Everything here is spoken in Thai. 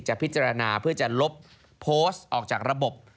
พิจารณาเพื่อจะลบโพสต์ออกจากระบบ